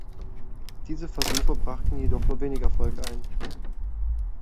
Diese Versuche brachten jedoch nur wenig Erfolg ein.